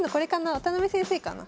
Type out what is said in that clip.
渡辺先生かな。